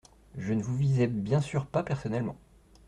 Je ne vous visais bien sûr pas personnellement.